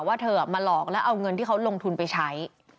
ว่าเธอมาหลอกแล้วเอาเงินที่เขาลงทุนไปใช้